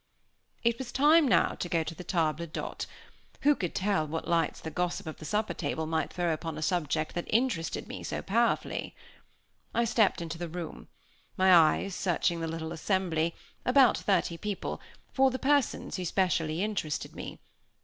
It was time now to go to the table d'hôte. Who could tell what lights the gossip of the supper table might throw upon the subject that interested me so powerfully! I stepped into the room, my eyes searching the little assembly, about thirty people, for the persons who specially interested me.